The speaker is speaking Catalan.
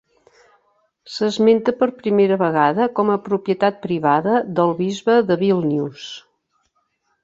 S'esmenta per primera vegada com a propietat privada del bisbe de Vilnius.